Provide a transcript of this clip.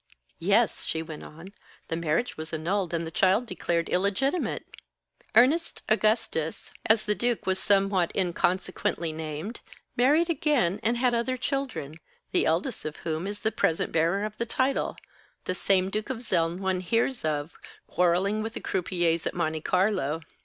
"Yes," she went on. "The marriage was annulled, and the child declared illegitimate. Ernest Augustus, as the duke was somewhat inconsequently named, married again, and had other children, the eldest of whom is the present bearer of the title the same Duke of Zeln one hears of, quarreling with the croupiers at Monte Carlo.